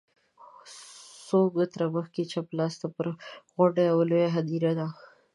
څو متره مخکې چپ لاس ته پر غونډۍ یوه لویه هدیره ده.